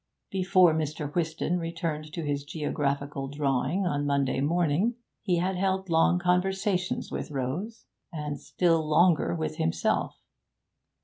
Before Mr. Whiston returned to his geographical drawing on Monday morning, he had held long conversations with Rose, and still longer with himself.